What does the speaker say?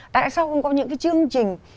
tại sao không có những cái chương trình